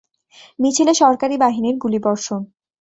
মিছিলে সরকারি বাহিনীর গুলিবর্ষণ।